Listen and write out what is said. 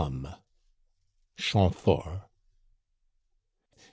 — Champfort.